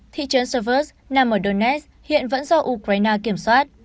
thị trấn severz nằm ở donetsk hiện vẫn do ukraine kiểm soát